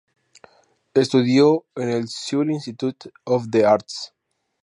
Estudió en el "Seoul Institute of the Arts".